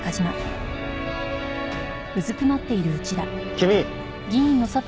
君。